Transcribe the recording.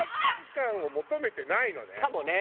かもね！